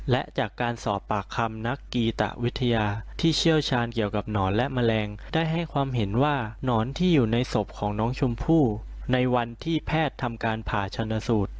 และจากการสอบปากคำนักกีตะวิทยาที่เชี่ยวชาญเกี่ยวกับหนอนและแมลงได้ให้ความเห็นว่านอนที่อยู่ในศพของน้องชมพู่ในวันที่แพทย์ทำการผ่าชนสูตร